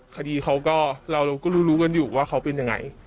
คดีเขาก็เราก็รู้รู้กันอยู่ว่าเขาเป็นยังไง